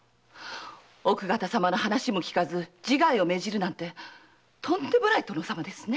奥方様の話も聞かず自害を命じるなんてとんでもない殿様ですね！